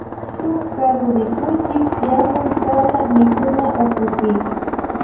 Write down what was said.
Shuk karurikuchik tiyakun sala mikunawkupi.